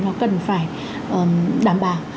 nó cần phải đảm bảo